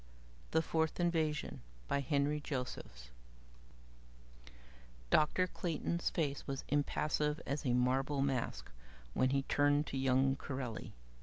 _ THE FOURTH INVASION by Henry Josephs Dr. Clayton's face was impassive as a marble mask when he turned to young Corelli.